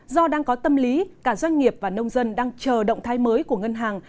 do đang có tâm lý cả doanh nghiệp và nông dân đang chờ động thái mới của ngân hàng